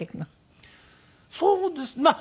そうですまあ